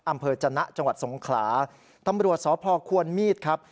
อำเภอจนะจังหวัดสงขลาตำรวจสพควรมีดครับ